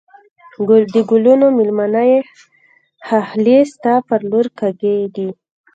د گلونو مېلمنه یې ښاخلې ستا پر لور کږېږی